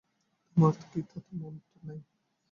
তোমার কি তাতে মত নেই?